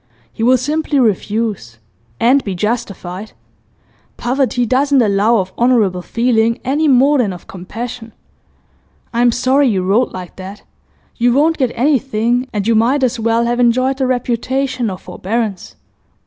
'He will simply refuse and be justified. Poverty doesn't allow of honourable feeling, any more than of compassion. I'm sorry you wrote like that. You won't get anything, and you might as well have enjoyed the reputation of forbearance.